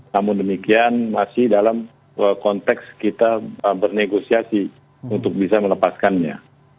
namun demikian masih dalam konteks kita bernegosiasi untuk bisa melepaskannya